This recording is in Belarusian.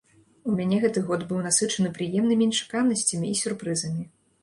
У мяне гэты год быў насычаны прыемнымі нечаканасцямі і сюрпрызамі.